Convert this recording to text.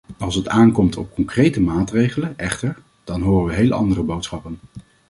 Als het aankomt op concrete maatregelen, echter, dan horen we heel andere boodschappen.